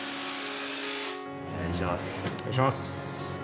お願いします。